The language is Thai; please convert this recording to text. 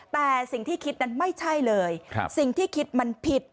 แต่สิ่งที่คิดนั้นไม่ใช่เลยสิ่งที่คิดมันผิด